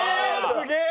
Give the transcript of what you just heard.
すげえ！